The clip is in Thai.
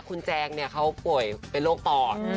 คุณแจ้งนะครัวป่วยเป็นโรคปอด